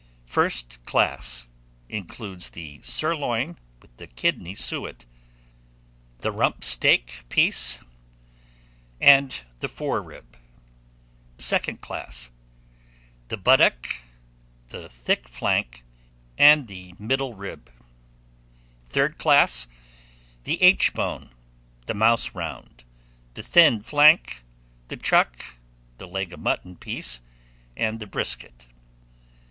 First class. includes the sirloin, with the kidney suet (1), the rump steak piece (2), the fore rib (9). Second class. The buttock (4), the thick flank (7), the middle rib (10). Third class. The aitch bone (3), the mouse round (5), the thin flank (8), the chuck (11), the leg of mutton piece (12), the brisket (13).